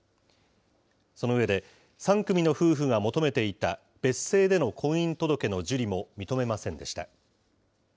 その上で、３組の夫婦が求めていた別姓での婚姻届の受理も認めませんでした。